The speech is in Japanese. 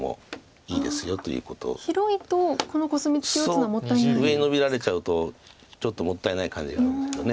そう上にノビられちゃうとちょっともったいない感じがあるんですけど。